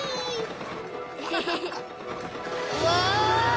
うわ！